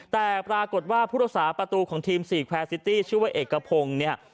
แต่ปรากฏว่าผู้โดสาประตูของทีมชื่อว่าเอกกระพงเนี่ย